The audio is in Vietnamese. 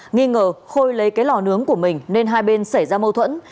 nghi ngờ khôi lấy cái lò nướng của mình nên hai bên xảy ra mâu thuẫn